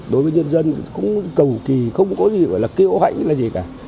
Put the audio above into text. đối với nhân dân cũng cầu kỳ không có gì gọi là kêu hạnh là gì cả